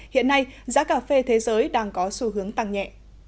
hiện nay giá cà phê thế giới đang có xu hướng tăng nhẹ